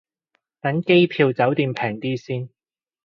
等機票酒店平啲先